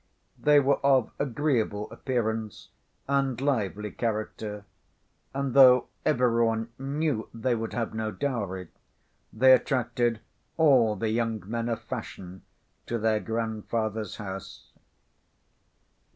They were of agreeable appearance and lively character, and though every one knew they would have no dowry, they attracted all the young men of fashion to their grandfather's house.